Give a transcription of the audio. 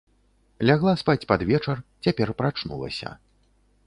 Лягла спаць пад вечар, цяпер прачнулася.